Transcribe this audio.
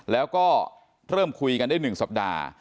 แล้วก็เริ่มคุยกันได้๑สัปดาห์